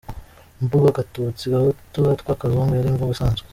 Imvugo Gatutsi, Gahutu, Gatwa, Kazungu yari imvugo isanzwe.